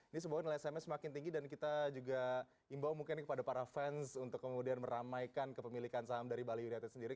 ini semua nilai sms semakin tinggi dan kita juga imbau mungkin kepada para fans untuk kemudian meramaikan kepemilikan saham dari bali united sendiri